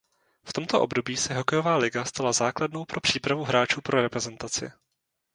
V tomto období se hokejová liga stala základnou pro přípravu hráčů pro reprezentaci.